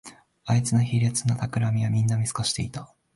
あいつの卑劣なたくらみをみんな見透かしていた